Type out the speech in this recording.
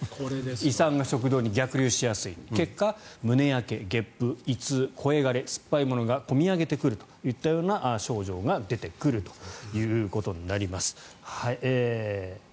胃酸が食道に逆流しやすい結果、胸焼け、げっぷ胃痛、声がれ酸っぱいものが込み上げてくるといった症状が出てくるということになります。